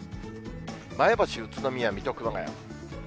前橋、宇都宮、水戸、熊谷。